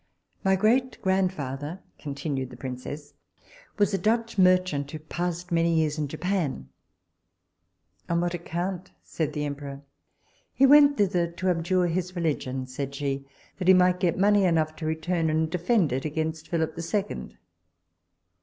My great grandfather, continued the princess, was a Dutch merchant, who passed many years in Japan On what account? said the emperor. He went thither to abjure his religion, said she, that he might get money enough to return and defend it against Philip 2d.